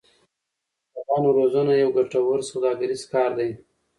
د کبانو روزنه یو ګټور سوداګریز کار دی.